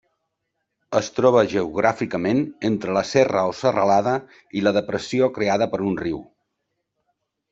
Es troba geogràficament entre la serra o serralada i la depressió creada per un riu.